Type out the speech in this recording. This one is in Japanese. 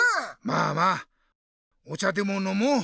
まあまあお茶でものもう。